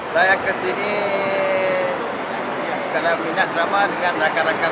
saya ingin bersama dengan rakan rakan